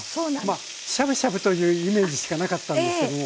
まあしゃぶしゃぶというイメージしかなかったんですけども。